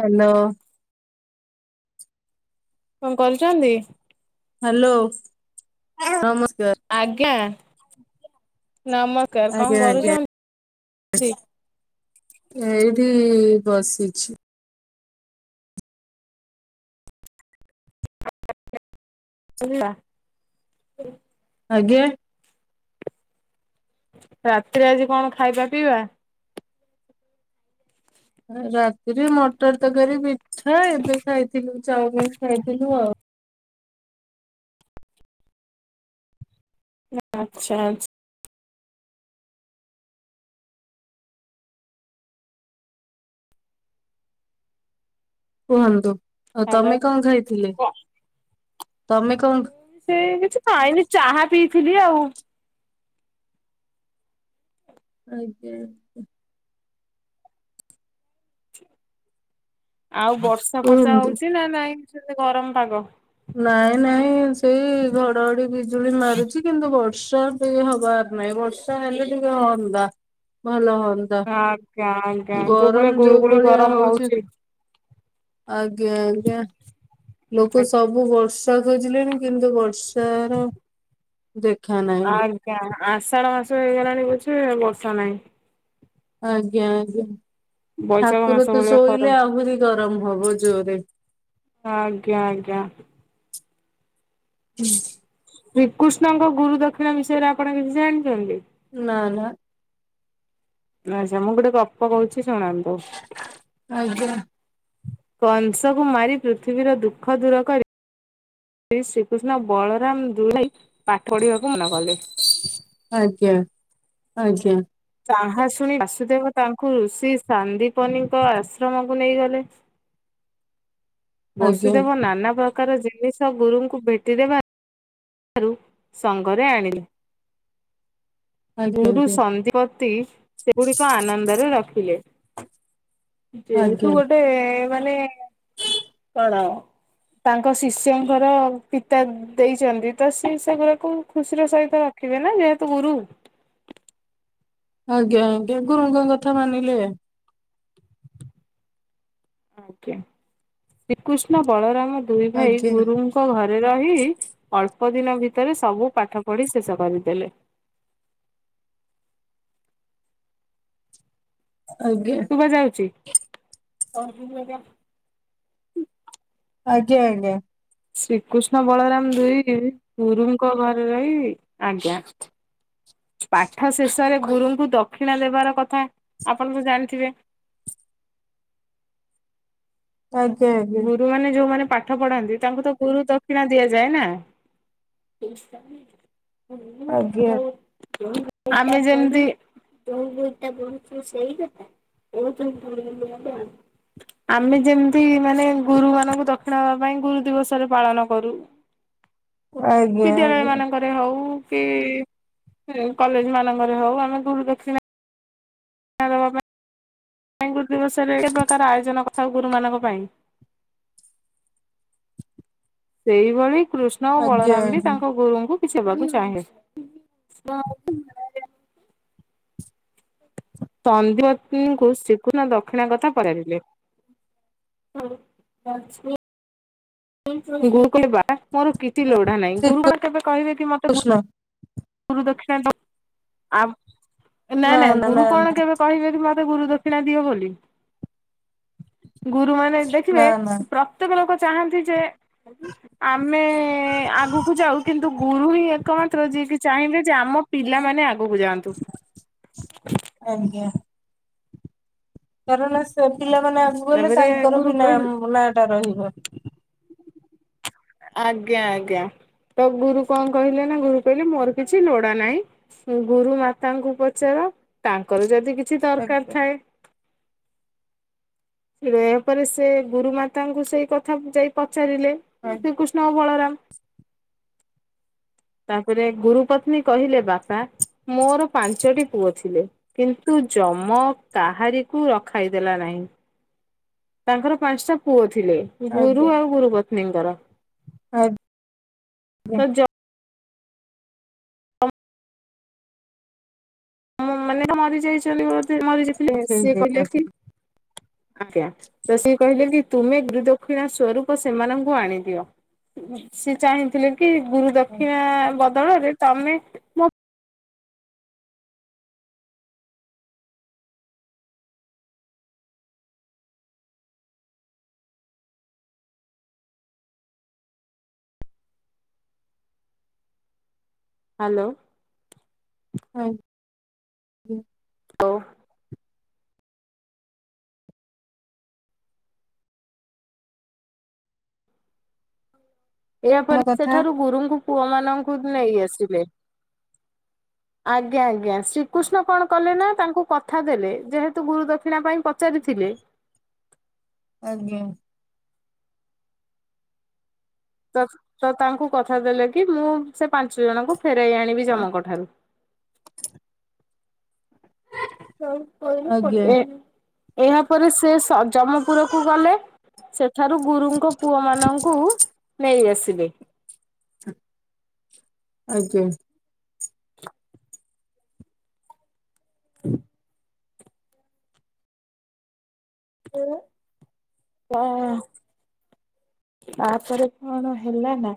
Hello. କଣ କରୁଛନ୍ତି? Hello ନ ଆଜ୍ଞା। ନମସ୍କାର କଣ ଆଜ୍ଞା ଆଜ୍ଞା କରୁଛନ୍ତି? ଏଇଠି ବସିଛି। [unintelligible] ଆଜ୍ଞା। ରାତିରେ ଆଜି କଣ ଖାଇବା ପିଇବା? ରାତିରେ ମଟର ତରକାରୀ ପିଠା ଏବେ ଖାଇଥିଲୁ ଚାଉମିିନ ଖାଇଥିଲୁ ଆଉ। ଆଚ୍ଛା ଆଚ୍ଛା। କୁହନ୍ତୁ ଆଉ ହ୍ୟାଲୋ ତମେ କଣ ଖାଇଥିଲେ? ତମେ କଣ ମୁଁ ସେ କିଛି ଖାଇନି ଚାହା ପିଇଥିଲି ଆଉ। ଆଜ୍ଞା। ଆଉ ବର୍ଷା ଫର୍ଷା କୁହନ୍ତୁ। ହଉଛି ନା ନାଇଁ ଗରମ ପାଗ। ନାଇଁ ନାଇଁ ସେଇ ଘଡଘଡି ବିଜୁଳି ମାରୁଛି କିନ୍ତୁ ବଢସ ବର୍ଷା ଟିକେ ହବାର ନାହିଁ ବର୍ଷା ହେଲେ ଟିକେ ହୁନ୍ତା ଭଲ ହ ତୁତ ଆଜ୍ଞା ଆଜ୍ଞା ଯୋଉ ଭଳିଆ ଗରମ ଯୋଉ ଗୁଳୁଗୁଳି ଭଳିଆ ଗରମ ହଉଛି। ଆଜ୍ଞା ଆଜ୍ଞା ଲୋକ ସବୁ ବର୍ଷା ଖୋଜିଲେଣି କିନ୍ତୁ ବର୍ଷ ତାର ଆଜ୍ଞା ଆଷାଢ ମାସ ହେଇଗଲାଣି ପଛେ ବର୍ଷା ନାଇଁ। ଆଜ୍ଞା ଆଜ୍ଞା। ବୈଶାଖ ମାସ ଠାକୁର ତ ଭଳିଆ ଖରା। ଶୋଇଲେ ଆହୁରି ଗରମ ହବ ଜୋରେ। ଆଜ୍ଞା ଆଜ୍ଞା। ହୁଁ ଶ୍ରୀକୃଷ୍ଣଙ୍କ ଗୁରୁ ଦକ୍ଷିଣା ବିଷୟରେ ଆପଣ କିଛି ଜାଣିଛନ୍ତି। ନା ନା। ଆଚ୍ଛା ମୁଁ ଗୋଟେ ଗପ କହୁଛି ଶୁଣନ୍ତୁ। ଆଜ୍ଞା କଂସକୁ ମାରି ପୃଥିବୀର ଦୁଃଖ ଦୂର କରି ଶ୍ରୀ ଶ୍ରୀକୃଷ୍ଣ ବଳରାମ ଦୁଇ ଭାଇ ପାଠ ପଢିବାକୁ ମନା କଲେ। ଆଜ୍ଞା ଆଜ୍ଞା। ତାହା ଶୁଣି ବାସୁଦେବ ତାଙ୍କୁ ଋଷି ସାନ୍ଦିପନୀଙ୍କ ଆଶ୍ରମକୁ ନେଇଗଲେ। ଆଜ୍ଞା ବସୁଦେବ ନାନା ପ୍ରକାର ଜିନିଷ ଗୁରୁଙ୍କୁ ଭେଟି ଦେବା ଠାରୁ ସଙ୍ଗରେ ଆଣିଲେ। ଆଜ୍ଞା ଗୁରୁ ଆଜ୍ଞା। ସନ୍ଦପତି ସେଗୁଡିକ ଆନନ୍ଦରେ ରଖିଲେ। ଯେହେତୁ ଆଜ୍ଞା ଗୋଟେ ମାନେ କଣ? ଁ ତାଙ୍କ ଶିଷ୍ୟଙ୍କର ପିତା ଦେଇଛନ୍ତି, ତ ସେ ସେଗୁଡ଼ାକୁ ଖୁସିର ସହିତ ରଖିବେ ନା। ଯେହେତୁ ଗୁରୁ। [inaudible] ଆଜ୍ଞା, ଆଜ୍ଞା ଗୁରୁଙ୍କ କଥା ମାନିଲେ। ଆଜ୍ଞା, ଶ୍ରୀକୃଷ୍ଣ ବଳରାମ ଦୁଇ ଭାଇ ଆଜ୍ଞା ଗୁରୁଙ୍କ ଘରେ ରେ ରହି ଅଳ୍ପ ଦିନ ଭିତରେ ସବୁ ପାଠ ପଢି ଶେଷ କରିଦେଲେ। [inaudible] ଆଜ୍ଞା। ଶୁଭା ଯାଉଛି। ଆଜ୍ଞା ଆଜ୍ଞା। ଶ୍ରୀକୃଷ୍ଣ ବଳରାମ ଦୁଇ ଗୁରୁଙ୍କ ଘରେ ରହି ଆଜ୍ଞା ପାଠଶେଷରେ ଗୁରୁଙ୍କୁ ଦକ୍ଷିଣା ଦେବାର କଥା ଆପଣ ତ ଜାଣିଥିବେ। [inaudible] ଆଜ୍ଞା ଗୁରୁମାନେ ଯୋଉମାନେ ପାଠପଢାନ୍ତି ତାଙ୍କୁ ତ ଗୁରୁ ଦକ୍ଷିଣା ଦିଆଯାଏ ନା। ଆଜ୍ଞା ଆଜ୍ଞା ଆମେ ଯେମିତି ଜଉୁ [unintelligible] ଟା ବହୁଛ ସେଇ କଥା। [unintelligible] ଆମେ ଯେମିତି ମାନେ ଗୁରୁ ମାନଙ୍କୁ ଦକ୍ଷିଣା ହବା ପାଇଁ ଗୁରୁ ଦିବସରେ ପାଳନ କରୁ। ଆଜ୍ଞା ଆଜ୍ଞା ବିଦ୍ୟାଳୟମାନଙ୍କରେ ହଉ। କି କଲେଜ ମାନଙ୍କରେ ହଉ ଆମେ ଗୁରୁ ଦକ୍ଷିଣା [unintelligible] ଦିବସରେ ପ୍ରକାର ଆୟୋଜନ ଥାଉ ଗୁରୁମାନଙ୍କ ପାଇଁ ସେଇଭଳି କୃଷ୍ଣ ଓ ଆଜ୍ଞା ବଳରାମ ବି ଆଜ୍ଞା। ତାଙ୍କ ଗୁରୁଙ୍କୁ କିଛ ବାକୁୁ ଚାହେଁ। ତନ୍ଦିବନୀଙ୍କୁ ଶ୍ରୀ କୃଷ୍ଣ ଦକ୍ଷିଣା କଥା ପଡେଇଥିଲେ। ହଁ, ଲକ୍ସ୍ମୀ। ଗୁରୁକୁଲ ବା ମୋର କିଛି ଲୋଢା ନାହିଁ, ଗୁରୁ କଣ ଶ୍ରୀକୃଷ୍ଣ କେବେ କହିବେକି ମତେ ଗୁରୁଦଖୀ [unintelligible] ଆ ନାଇଁ ନା ନାଇଁ ନା ଗୁରୁ ନା କଣ ନା କେବେ କହିବେ କି ମତେ ତେ ଗୁରୁ ଦକ୍ଷିଣା ଦିଅ ବୋଲି। ଗୁରୁ ମାନେ ଦେଖିବେ ନା ନା ପ୍ରତ୍ୟେକ ଲୋକ ଚାହାନ୍ତି ଯେ ଆମେ, ଆଗକୁ ଯାଉ କିନ୍ତୁ ଗୁରୁ ହିଁ ଏକମାତ୍ର ଯିଏକି ଚାହିଁବେ ଯେ ଆମ ପିଲାମାନେ ଆଗକୁ ଯାଆନ୍ତୁ। ଆଜ୍ଞା। କାରଣ ସେ ପିଲାମାନେ ଆଗକୁ ଗଲେ ତାପରେ ସାର୍ ଙ୍କର ଗୁରୁ ବି କହିଲେ ନାଁ ନାଁ ଟା ରହିବ। ଆଜ୍ଞା ଆଜ୍ଞା। ତ ଗୁରୁ କଣ କହିଲେ ନା ଗୁରୁ କହିଲେ ମୋର କିଛି ଲୋଡା ନାହିଁ ଗୁରୁ ମାତାଙ୍କୁ ପଚାର। ହ ତାଙ୍କର ଯଦି କିଛି ଦରକାର ଆଜ୍ଞା। ଥାଏ। ସେୟା ପରେସେ, ଗୁରୁମାତାଙ୍କୁ ସେଇ କଥା ଯାଇପଚା ଚାରିଲେ ଶ୍ରୀକୃଷ୍ଣ ବଳରାମ ତାପରେ, ଗୁରୁପତ୍ନୀ କହିଲେ ବାପା ମୋର ପାଞ୍ଚଟି ପୁଅ ଥିଲେ। କିନ୍ତୁ, ଜମ କାହାରିକୁ ରଖାଇ ଦେଲା ନାହିଁ। ତାଙ୍କର ପାଞ୍ଚଟା ପୁଅ ଥିଲେ, ଗୁରୁ ଆଉ ଗୁରୁ ପତ୍ନୀଙ୍କର ଆ ତ ଯଅ ମୋ ମନଟା ମରିଯାଇଛନ୍ତି ବୋଧେ ମରିଯାଇଥିଲେ ଉଠେଇ ସିଏ କହିଲେ କି ଦେଇନଥିଲି ଆଜ୍ଞା, ତ ସିଏ କହିଲେ କି ତୁମେ ଗୁରୁ ଦକ୍ଷିଣା ସୂରୁପ ସେମାନଙ୍କୁ ଆଣିଦିଅ ସେ ଚାହିଁଥିଲେ। କି ଗୁରୁ ଦକ୍ଷିଣା ବଦଳରେ ତମେ, ମୋ ହାଲୋ। ହଁ ହଁ। ହଉ। ଆମ ଏହାପରେ କଥା ସେଠାରୁ ଗୁରୁଙ୍କୁ ପୁଅ ମାନଙ୍କୁ ନେଇ ଆସିଲେ। [inaudible] ଆଜ୍ଞା ଆଜ୍ଞା ଶ୍ରୀକୃଷ୍ଣ କଣ କଲେ ନା ତାଙ୍କୁ କଥା ଦେଲେ ଯେହେତୁ ଗୁରୁ ଦକ୍ଷିଣା ପାଇଁ ପଚାରିଥି ଥିଲେ। ଆଜ୍ଞା। ତ ତ ତାଙ୍କୁ କଥା ଦେଲେ କି ମୁଁ ସେ ପାଞ୍ଚ ଜଣଙ୍କୁ ଫେରାଇ ଆଣିବି ଜମଙ୍କଠାରୁ। [unintelligible] ଆଜ୍ଞା ଏହାପରେ ସେ ସ ଜମପୁରକୁ ଗଲେ ସେ ଠାରୁ ଗୁରୁଙ୍କ ପୁଅ ମାନଙ୍କୁ ନେଇ ଆସିବେ। ଆଜ୍ଞା। [inaudible] ହ ହ। ତାପରେ କଣ ହେଲା ନା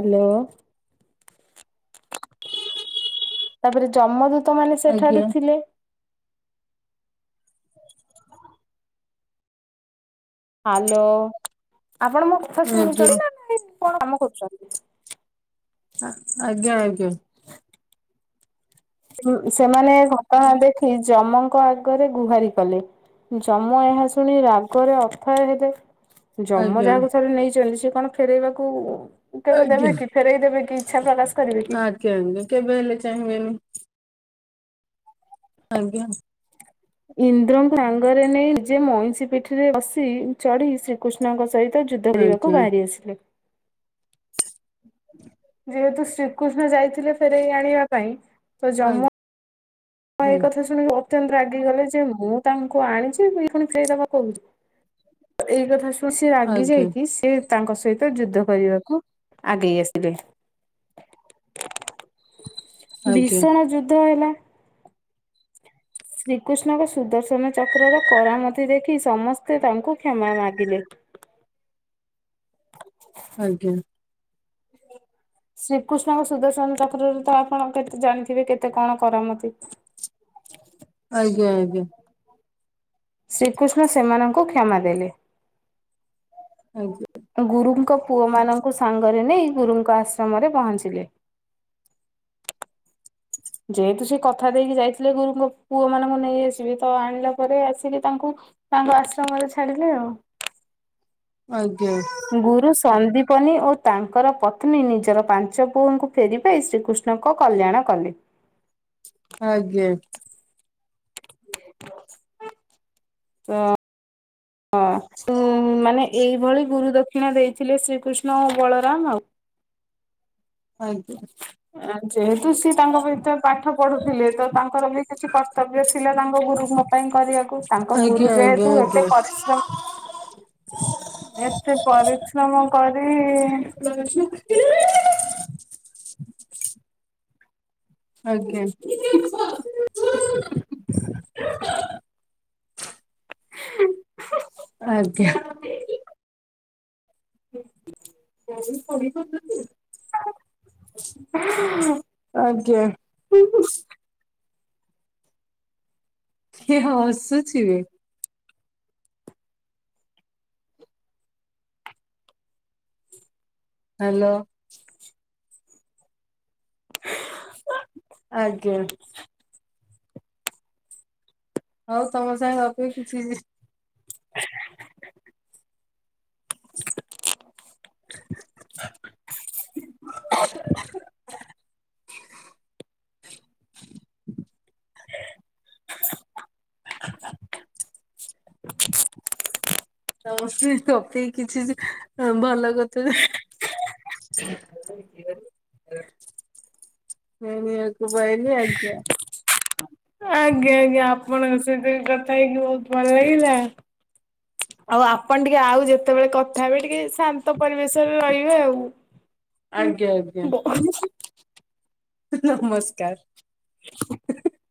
ହାଲୋ। ତାପରେ ଜମଦୂତ ମାନେ ସେଠାରେ ଆଜ୍ଞା। ଥିଲେ। ହାଲୋ ଆପଣ ମୋ କଥା ଆଜ୍ଞା ଶୁଣୁଚନ୍ତି ନା କଣ କାମ କରୁଚନ୍ତି। ଆଜ୍ଞା, ଆଜ୍ଞା। ସେମାନେ ଘଟଣା ଦେଖି ଯମଙ୍କ ଆଗରେ ଗୁହାରି କଲେ। ଯମ ଏହା ଶୁଣି ରାଗରେ ଅଥୟ ହେଲେ ଜମ ଆଜ୍ଞା ଯାହାକୁ ଥରେ ନେଇଛନ୍ତି ସେ କ'ଣ ଫେରେଇବାକୁ କେବେ ଆଜ୍ଞା ଦେବେ କି ଫେରଇ ଦେବେ କି ଇଛା ପ୍ରକାଶ କରିବେ କି? ଆଜ୍ଞା ଆଜ୍ଞା କେବେ ହେଲେ ଚାହିଁବେନି ଆଜ୍ଞା। ଇନ୍ଦ୍ରଙ୍କୁ ସାଙ୍ଗରେ ନେଇ ନିଜେ ମଇଁଷି ପିଠିରେ ବସି ଚଢି ଶ୍ରୀକୃଷ୍ଣଙ୍କ ସହି ତ ଯୁଦ୍ଧ କରିବାକୁ ଆଜ୍ଞା ବାହାରି ଆସିଲେ। ଯେହେତୁ ଶ୍ରୀକୃଷ୍ଣ ଯାଇଥିଲେ ଫେରାଇ ଆଣିବା ପାଇଁ ତ ଯମ ଆଜ୍ଞା ହଁ, ଏ କଥା ଶୁଣିବ। ଅତ୍ୟନ୍ତ ରାଗିଗଲେ ଯେ ମୁଁ ତାଙ୍କୁ ଆଣିଛି ଇଏ ଫୁଣି ଫେରେଇଦବା କହୁଛି ଏଇ କଥା ତ ସିଏ ରାଗି ଆଜ୍ଞା ଯାଇକି ସିଏ ତାଙ୍କ ସହିତ ଯୁଦ୍ଧ କରିବାକୁ ଆଗେଇ ଆସିଲେ। ଆଜ୍ଞା ଆଜ୍ଞା ଭୀଷଣ ଯୁଦ୍ଧ ହେଲା। [inaudible] ଶ୍ରୀକୃଷ୍ଣଙ୍କ ସୁଦର୍ଶନ ଚକ୍ରର କରାମତି ଦେଖି ସମସ୍ତେ ତାଙ୍କୁ କ୍ଷମା ମାଗିଲେ। [inaudible] [inaudible] ଆଜ୍ଞା। ଶ୍ରୀକୃଷ୍ଣଙ୍କ ସୁଦର୍ଶନ ଚକ୍ରରେ ତ ଆପଣ କେତେ ଜାଣିଥିବେ କେତେ କଣ କରାମତି। ଆଜ୍ଞା, ଆଜ୍ଞା। ଶ୍ରୀକୃଷ୍ଣ ସେମାନଙ୍କୁ କ୍ଷମା ଦେଲେ। ଗୁରୁଙ୍କ ପୁଅ ମାନଙ୍କୁ ସାଙ୍ଗରେ ନେଇ ଗୁରୁଙ୍କ ଆଶ୍ରମରେ ପହଞ୍ଚିଲେ। [inaudible] ଯେହେତୁ ସେ କଥା ଦେଇକି ଯାଇଥିଲେ ଗୁରୁଙ୍କ ପୁଅ ମାନଙ୍କୁ ନେଇ ଆସିବି ତ ଆଣିଲା ପରେ ଆସିକି ତାଙ୍କୁ ତାଙ୍କୁ ଆଶ୍ରମରେ ଛାଡିଲେ ଆଉ। [inaudible] ଆଜ୍ଞା। ଗୁରୁ ସନ୍ଦୀପନୀ ଓ ତାଙ୍କର ପତ୍ନୀ ନିଜର ପାଞ୍ଚ ପୁଅଙ୍କୁ ଫେରି ପାଇ ଶ୍ରୀକୃଷ୍ଣଙ୍କ କଲ୍ୟାଣ କଲେ। ଆଜ୍ଞ। ତ ହଁ, ଉ ମାନେ ଏଇଭଳି ଗୁରୁ ଦ କ୍ଷିଣା ଦେଇଥିଲେ ଶ୍ରୀକୃଷ୍ଣ ଓ ବଳରାମ ଆଉ। ଆଜ୍ଞା। ଆଁ ଯେହେତୁ ସିଏ ତାଙ୍କ ଭିତରେ ପାଠ ପଢୁଥିଲେ ତ ତାଙ୍କର ବି କିଛି କର୍ତ୍ତବ୍ୟ ଥିଲା ତାଙ୍କ ଗୁରୁ ରୁଙ୍କ ପାଇଁ କରିବାକୁ ଆଜ୍ଞା ଆଜ୍ଞା ତାଙ୍କ ଗୁରୁ ଯେହେତୁ ଆଜ୍ଞା ଏତେ ଆଜ୍ଞା ପରିଶ୍ରମ ଏତେ ପରିଶ୍ରମ କରି [inaudible] ଆଜ୍ଞା। [inaudible] ଆଜ୍ଞା। ହୁଁ [inaudible] ଆଜ୍ଞା କିଏ ହସୁଚିବେ? ହାଲୋ! ଆଜ୍ଞା [inaudible] ହଉ ତମ ସାଙ୍ଗେ ଗପିକି କିଛି [inaudible] [inaudible] [inaudible] [inaudible] [inaudible] [inaudible] ସମସ୍ତେ ପକେଇ କିଛି ହଁ ଭଲ କଥା। [unintelligible] ଆଜ୍ଞା। ଆଜ୍ଞା ଆଜ୍ଞା ଆପଣଙ୍କ ସହିତ କଥା ହେଇକି ବହୁତ ଭଲ ଲାଗିଲା। [inaudible] ଆଉ ଆପଣ ଟିକେ ଆଉ ଯେତେବେଳେ କଥା ହେବେ ଟିକେ ଶାନ୍ତ ପରିବେଶରେ ରହିବେ ଆଉ। ଆଜ୍ଞା ଆଜ୍ଞା [unintelligible] ନମସ୍କାର। [inaudible]